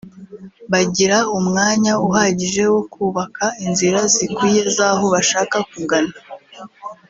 bagira umwanya uhagije wo kubaka inzira zikwiye z’aho bashaka kugana